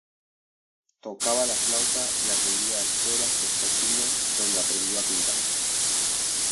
Tocaba la flauta y atendía a escuelas vespertinas donde aprendió a pintar.